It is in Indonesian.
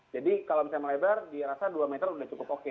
jadi kalau misalnya melebar dirasa dua meter udah cukup oke